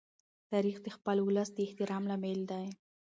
تاریخ د خپل ولس د احترام لامل دی.